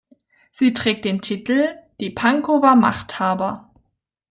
Sie trägt den Titel „Die Pankower Machthaber.